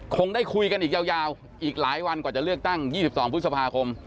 คงได้คุยกันอีกยาวอีกหลายวันก่อนจะเลือกตั้ง๒๒พฤษภาคม